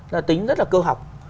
là tính rất là cơ học